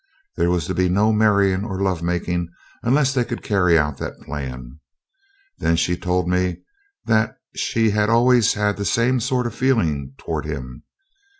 There was to be no marrying or love making unless they could carry out that plan. Then she told me that she had always had the same sort of feeling towards him.